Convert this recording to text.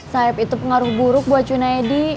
saeb itu pengaruh buruk buat junaedi